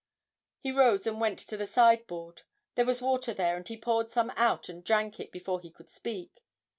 He rose and went to the sideboard; there was water there, and he poured some out and drank it before he could speak.